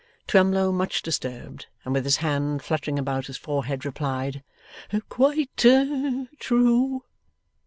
Twemlow, much disturbed, and with his hand fluttering about his forehead, replied: 'Quite true.